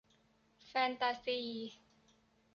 แฟนตาซี